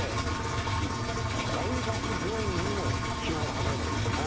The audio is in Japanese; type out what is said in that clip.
大学病院にも広がり始めてるんですね。